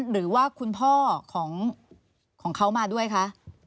หรือว่าคุณพ่อของเขามาด้วยคะ